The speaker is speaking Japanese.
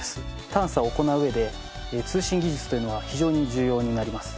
探査を行う上で通信技術というのは非常に重要になります。